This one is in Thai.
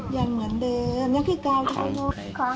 ยังเหมือนเดิมยังคือการทำงง